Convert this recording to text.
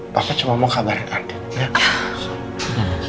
bapak cuma mau kabarin andin ya